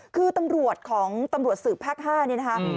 คือตำรวจของตำรวจสืบภาค๕นี่นะคะ